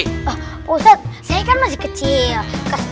wah ustadz saya kan masih kecil